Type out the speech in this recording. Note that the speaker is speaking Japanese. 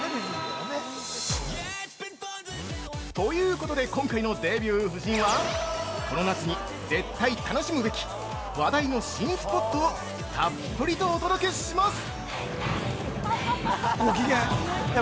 ということで今回の「デビュー夫人」はこの夏に絶対楽しむべき話題の新スポットをたっぷりとお届けします。